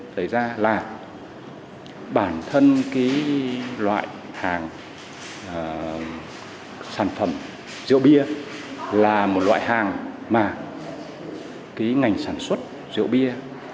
đầy ra là bản thân loại hàng sản phẩm rượu bia là một loại hàng mà ngành sản xuất rượu bia